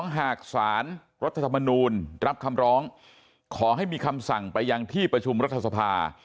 หากสารรัฐธรรมนูลรับคำร้องขอให้มีคำสั่งไปยังที่ประชุมรัฐสภา